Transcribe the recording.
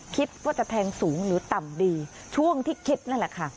คิดว่าจะแทงสูงหรือต่ำดีช่วงที่คิดนั่นแหละค่ะ